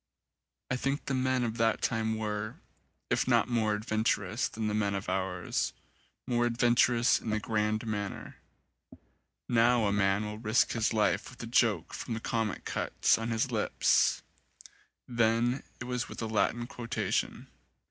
I think the men of that time were, if not more adventurous than the men of ours, more adventurous in the grand manner : now a man will 101 ON A CHINESE SCREEN risk his life with a joke from Comic Cuts on his lips, then it was with a Latin quotation.